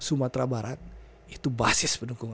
sumatera barat itu basis pendukung